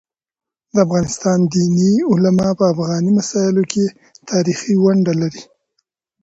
د افغانستان دیني علماء په افغاني مسايلو کيتاریخي ونډه لري.